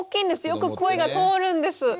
よく声が通るんです。